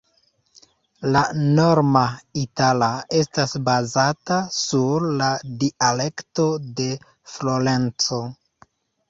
La norma itala estas bazata sur la dialekto de Florenco.